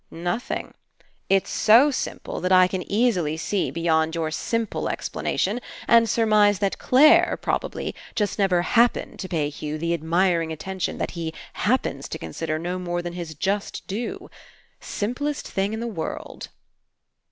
"Nothing. It's so simple that I can easily see beyond your simple explanation and surmise that Clare, probably, just never hap pened to pay Hugh the admiring attention that he happens to consider no more than his just due. Simplest thing in the world."